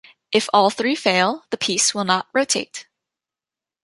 If all three fail, the piece will not rotate.